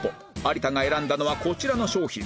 有田が選んだのはこちらの商品